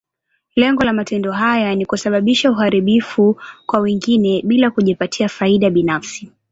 Lengo la matendo haya ni kusababisha uharibifu kwa wengine, bila kujipatia faida binafsi.